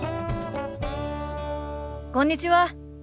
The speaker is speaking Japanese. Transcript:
こんにちは。